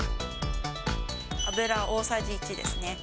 油大さじ１ですね。